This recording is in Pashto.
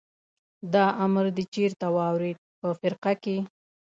دا امر دې چېرې واورېد؟ په فرقه کې.